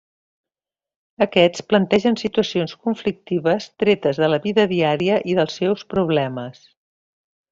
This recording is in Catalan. Aquests plantegen situacions conflictives tretes de la vida diària i dels seus problemes.